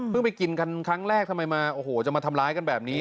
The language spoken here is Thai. ไปกินกันครั้งแรกทำไมมาโอ้โหจะมาทำร้ายกันแบบนี้